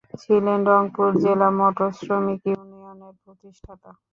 ছিলেন রংপুর জেলা মোটর শ্রমিক ইউনিয়নের প্রতিষ্ঠাতা।